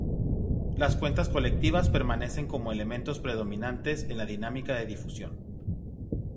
Las cuentas colectivas permanecen como elementos predominantes en las dinámicas de difusión.